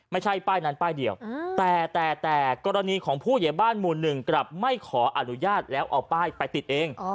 ไม่ใช่ป้ายนั้นป้ายเดียวแต่แต่กรณีของผู้ใหญ่บ้านหมู่หนึ่งกลับไม่ขออนุญาตแล้วเอาป้ายไปติดเอง